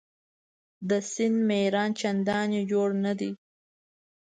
د سیند میران چنداني جوړ نه دي.